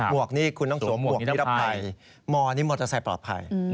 มวกนี่คุณต้องสวมผ่วกนิรภัยเมานี่มอธสายปลอดภัย